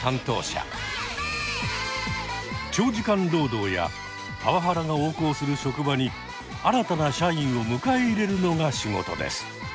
長時間労働やパワハラが横行する職場に新たな社員を迎え入れるのが仕事です。